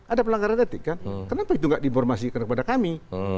ada pelanggaran etik kan kenapa itu nggak diinformasikan kepada kami